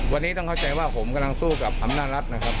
วันนี้ต้องเข้าใจว่าผมกำลังสู้กับลำหน้ารัฐ